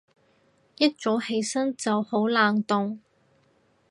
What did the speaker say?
一早起身就好冷凍